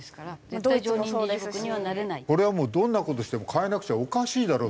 これはどんな事しても変えなくちゃおかしいだろ。